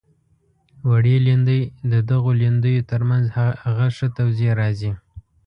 وړې لیندۍ د دغو لیندیو تر منځ هغه توضیح راځي.